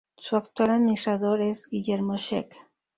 Su actual administrador es Guillermo Scheck.